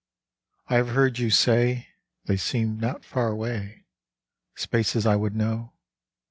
I have heard you say, " They seem not far away, The spaces I would know.